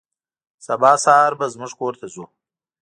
سبا سهار به زموږ کور ته ځو.